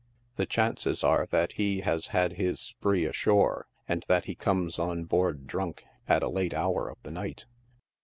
The chances are that he has had his spree ashore, and that he come3 on board drunk, at a late hour of the night.